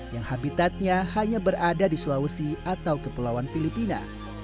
yang habitatnya hanya berada di sulawesi atau kepulauan filipina